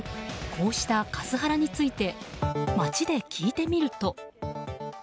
こうしたカスハラについて街で聞いてみると。